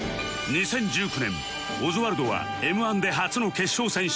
２０１９年オズワルドは Ｍ−１ で初の決勝戦進出